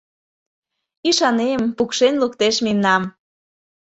Ӱшанем, пукшен луктеш мемнам.